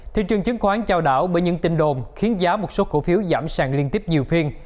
thị trường chứng khoán trao đảo bởi những tin đồn khiến giá một số cổ phiếu giảm sàng liên tiếp nhiều phiên